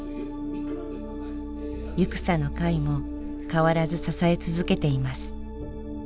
「ゆくさの会」も変わらず支え続けています。